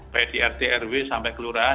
baik di rt rw sampai kelurahan